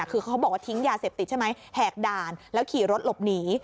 คือเขาบอกว่าทิ้งยาเสพติดใช่ไหมแหกด่านแล้วขี่รถหลบหนี